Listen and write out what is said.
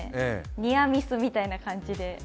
ニアミスみたいな感じで。